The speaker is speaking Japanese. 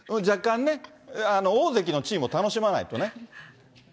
若干ね、大関の地位も楽しまないとね。